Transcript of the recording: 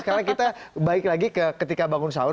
sekarang kita balik lagi ketika bangun sahur